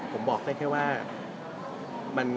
ผมบอกได้แค่ว่า